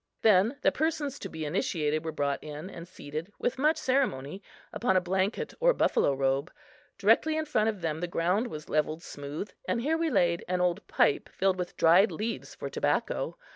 Then the persons to be initiated were brought in and seated, with much ceremony, upon a blanket or buffalo robe. Directly in front of them the ground was levelled smooth and here we laid an old pipe filled with dried leaves for tobacco.